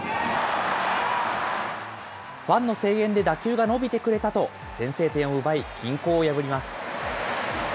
ファンの声援で打球が伸びてくれたと、先制点を奪い、均衡を破ります。